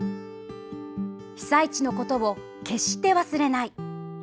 被災地のことを決して忘れない。